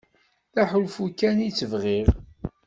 D aḥulfu kan i tt-bɣiɣ.